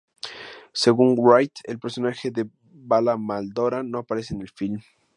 Según Wright, el personaje de Vala Mal Doran no aparecerá en el film.